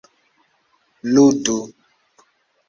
ludu